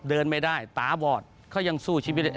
เดินไม่ได้ตาบอดเขายังสู้ชีวิต